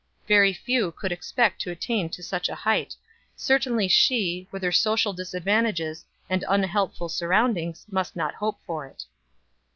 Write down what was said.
Very few could expect to attain to such a hight; certainly she, with her social disadvantages and unhelpful surroundings, must not hope for it.